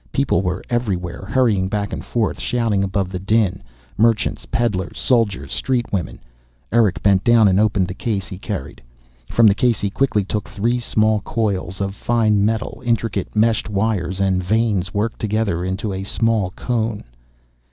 People were everywhere, hurrying back and forth, shouting above the din, merchants, peddlers, soldiers, street women. Erick bent down and opened the case he carried. From the case he quickly took three small coils of fine metal, intricate meshed wires and vanes worked together into a small cone.